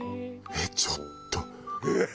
えっちょっとええー！